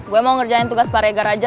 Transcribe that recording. gue mau ngerjain tugas paregar aja